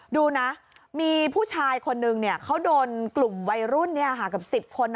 ดูนะมีผู้ชายคนนึงเขาโดนกลุ่มวัยรุ่นเกือบ๑๐คน